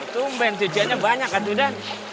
tumben cuciannya banyak kan tudan